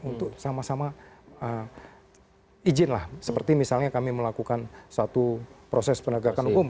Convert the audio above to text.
untuk sama sama izin lah seperti misalnya kami melakukan suatu proses penegakan hukum